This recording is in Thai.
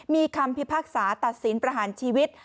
มีคำพิพากษาตัดสินประหารชีวิต